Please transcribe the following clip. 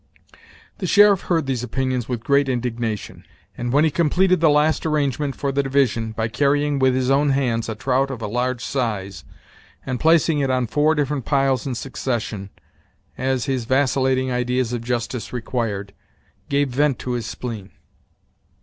The sheriff heard these opinions with great indignation; and when he completed the last arrangement for the division, by carrying with his own hands a trout of a large size, and placing it on four different piles in succession, as his vacillating ideas of justice required, gave vent to his spleen.